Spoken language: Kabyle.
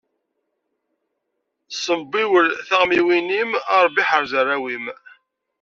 Sembiwel taɣmiwin-im, a Ṛebbi ḥerz arraw-im.